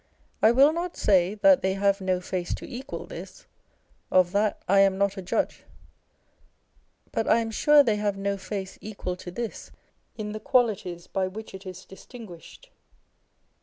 I will not say that they have no face to equal this ; of that I am not a judge ; but I am sure they have no face equal to this in the qualities by which it is distinguished.